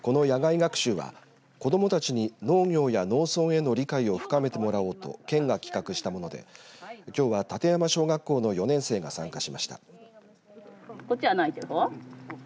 この野外学習は子どもたちに農業や農村への理解を深めてもらおうと県が企画したものできょうは立山小学校の４年生が参加しました。